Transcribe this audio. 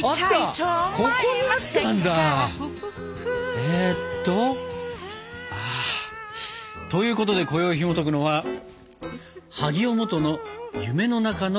えっと。ということでこよいひもとくのは萩尾望都の「夢の中の歌」。